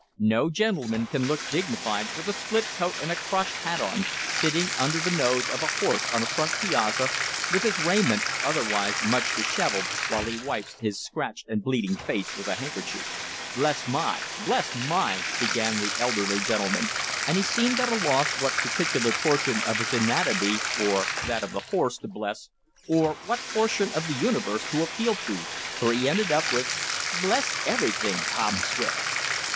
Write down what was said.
No gentleman can look dignified with a split coat and a crushed hat on, sitting under the nose of a horse on a front piazza, with his raiment otherwise much disheveled, while he wipes his scratched and bleeding face with a handkerchief. "Bless my bless my " began the elderly gentleman, and he seemed at a loss what particular portion of his anatomy or that of the horse, to bless, or what portion of the universe to appeal to, for he ended up with: "Bless everything, Tom Swift!"